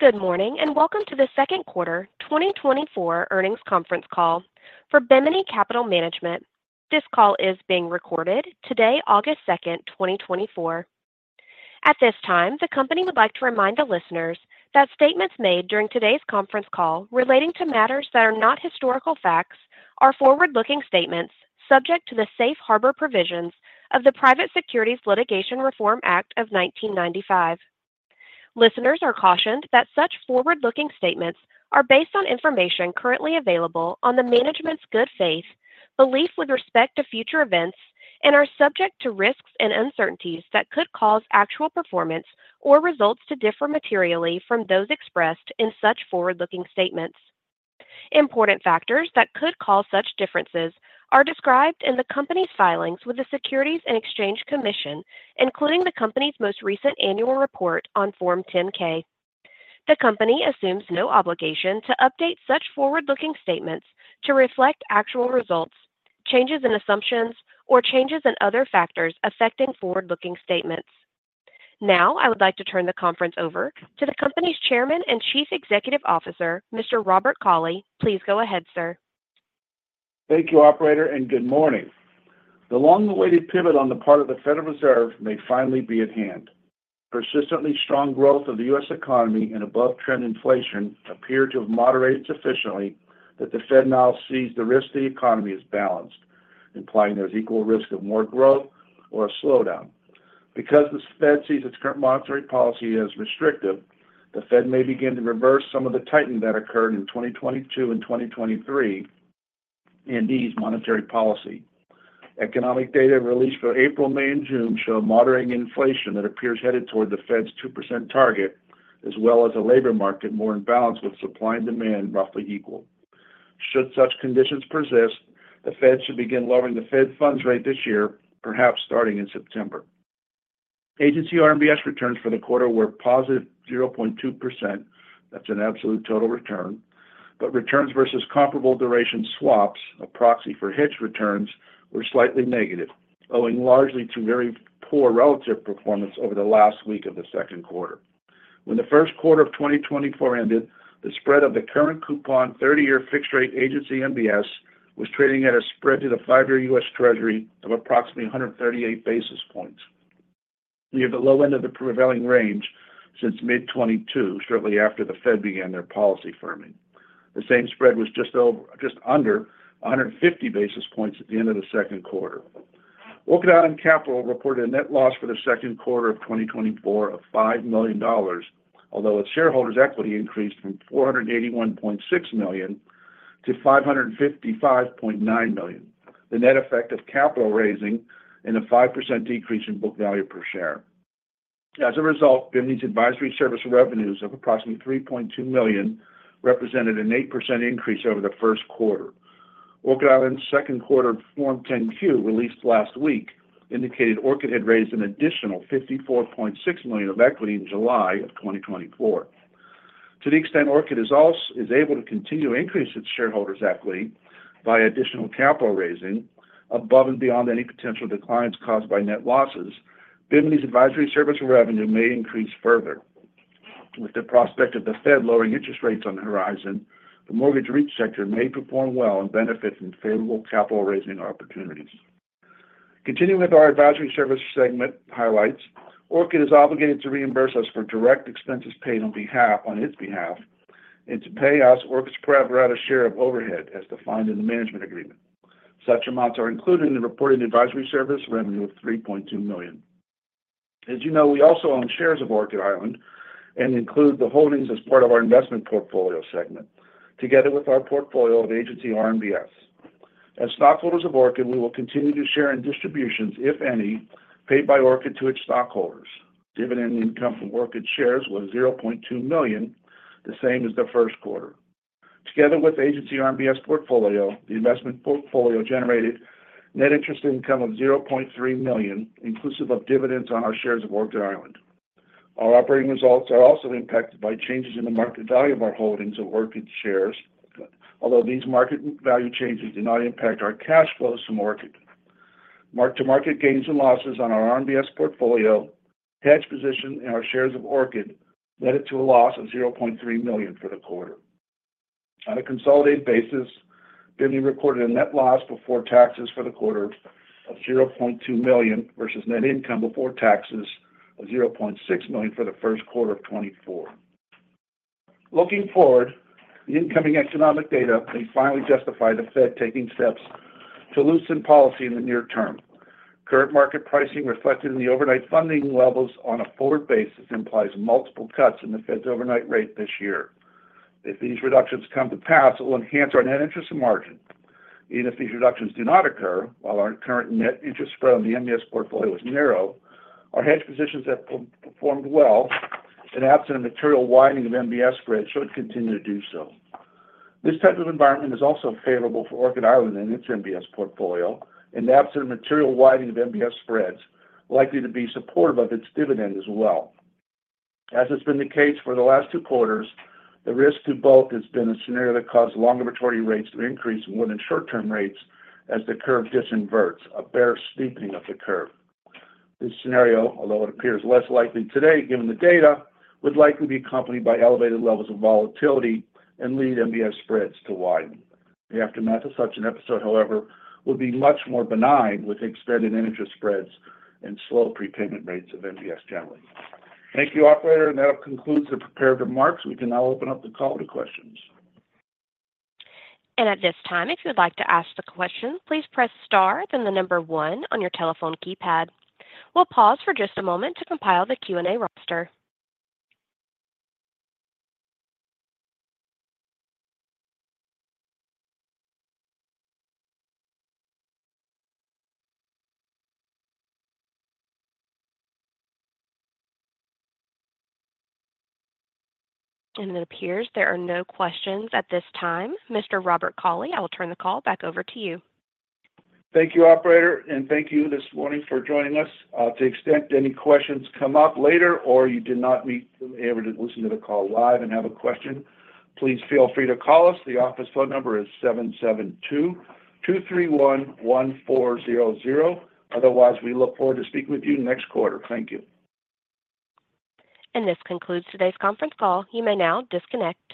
Good morning and welcome to the second quarter 2024 earnings conference call. For Bimini Capital Management, this call is being recorded today, August 2nd, 2024. At this time, the company would like to remind the listeners that statements made during today's conference call relating to matters that are not historical facts are forward-looking statements subject to the safe harbor provisions of the Private Securities Litigation Reform Act of 1995. Listeners are cautioned that such forward-looking statements are based on information currently available on the management's good faith, belief with respect to future events, and are subject to risks and uncertainties that could cause actual performance or results to differ materially from those expressed in such forward-looking statements. Important factors that could cause such differences are described in the company's filings with the Securities and Exchange Commission, including the company's most recent annual report on Form 10-K. The company assumes no obligation to update such forward-looking statements to reflect actual results, changes in assumptions, or changes in other factors affecting forward-looking statements. Now, I would like to turn the conference over to the company's Chairman and Chief Executive Officer, Mr. Robert Cauley. Please go ahead, sir. Thank you, operator, and good morning. The long-awaited pivot on the part of the Federal Reserve may finally be at hand. Persistently strong growth of the U.S. economy and above-trend inflation appear to have moderated sufficiently that the Fed now sees the risk of the economy as balanced, implying there's equal risk of more growth or a slowdown. Because the Fed sees its current monetary policy as restrictive, the Fed may begin to reverse some of the tightening that occurred in 2022 and 2023 in these monetary policies. Economic data released for April, May, and June show a moderating inflation that appears headed toward the Fed's 2% target, as well as a labor market more in balance with supply and demand roughly equal. Should such conditions persist, the Fed should begin lowering the Fed funds rate this year, perhaps starting in September. Agency RMBS returns for the quarter were +0.2%. That's an absolute total return. But returns versus comparable duration swaps, a proxy for hedge returns, were slightly negative, owing largely to very poor relative performance over the last week of the second quarter. When the first quarter of 2024 ended, the spread of the current coupon 30-year fixed-rate agency RMBS was trading at a spread to the five-year U.S. Treasury of approximately 138 basis points, near the low end of the prevailing range since mid-2022, shortly after the Fed began their policy firming. The same spread was just under 150 basis points at the end of the second quarter. Orchid Island Capital reported a net loss for the second quarter of 2024 of $5 million, although its shareholders' equity increased from $481.6 million to $555.9 million. The net effect of capital raising and a 5% decrease in book value per share. As a result, Bimini's advisory service revenues of approximately $3.2 million represented an 8% increase over the first quarter. Orchid's second quarter Form 10-Q released last week indicated Orchid had raised an additional $54.6 million of equity in July of 2024. To the extent Orchid is able to continue to increase its shareholders' equity by additional capital raising above and beyond any potential declines caused by net losses, Bimini's advisory service revenue may increase further. With the prospect of the Fed lowering interest rates on the horizon, the mortgage REIT sector may perform well and benefit from favorable capital raising opportunities. Continuing with our advisory service segment highlights, Orchid is obligated to reimburse us for direct expenses paid on its behalf and to pay us Orchid's preferred share of overhead, as defined in the management agreement. Such amounts are included in the reported advisory service revenue of $3.2 million. As you know, we also own shares of Orchid Island Capital and include the holdings as part of our investment portfolio segment, together with our portfolio of agency RMBS. As stockholders of Orchid Island Capital, we will continue to share in distributions, if any, paid by Orchid Island Capital to its stockholders. Dividend income from Orchid Island Capital shares was $0.2 million, the same as the first quarter. Together with agency RMBS portfolio, the investment portfolio generated net interest income of $0.3 million, inclusive of dividends on our shares of Orchid Island Capital. Our operating results are also impacted by changes in the market value of our holdings of Orchid Island Capital shares, although these market value changes do not impact our cash flows from Orchid Island Capital. Mark-to-market gains and losses on our RMBS portfolio, hedge position, and our shares of Orchid Island Capital led to a loss of $0.3 million for the quarter. On a consolidated basis, Bimini reported a net loss before taxes for the quarter of $0.2 million versus net income before taxes of $0.6 million for the first quarter of 2024. Looking forward, the incoming economic data may finally justify the Fed taking steps to loosen policy in the near term. Current market pricing, reflected in the overnight funding levels on a forward basis, implies multiple cuts in the Fed's overnight rate this year. If these reductions come to pass, it will enhance our net interest margin. Even if these reductions do not occur, while our current net interest spread on the RMBS portfolio is narrow, our hedge positions have performed well, and absent a material widening of RMBS spreads, should continue to do so. This type of environment is also favorable for Orchid Island Capital and its RMBS portfolio, and absent a material widening of RMBS spreads, likely to be supportive of its dividend as well. As has been the case for the last two quarters, the risk to both has been a scenario that caused longer maturity rates to increase more than short-term rates as the curve disinverts, a bear steepening of the curve. This scenario, although it appears less likely today given the data, would likely be accompanied by elevated levels of volatility and lead RMBS spreads to widen. The aftermath of such an episode, however, would be much more benign with expanded interest spreads and slow prepayment rates of RMBS generally. Thank you, operator, and that concludes the prepared remarks. We can now open up the call to questions. At this time, if you would like to ask a question, please press star, then the number one on your telephone keypad. We'll pause for just a moment to compile the Q&A roster. It appears there are no questions at this time. Mr. Robert Cauley, I will turn the call back over to you. Thank you, operator, and thank you this morning for joining us. To the extent any questions come up later or you did not be able to listen to the call live and have a question, please feel free to call us. The office phone number is 772-231-1400. Otherwise, we look forward to speaking with you next quarter. Thank you. This concludes today's conference call. You may now disconnect.